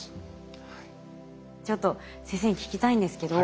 ちょっと先生に聞きたいんですけど。